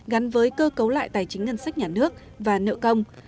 gắn với cơ cấu lại tài chính ngân sách nhà nước và nợ công